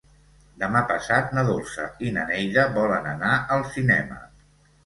Demà passat na Dolça i na Neida volen anar al cinema.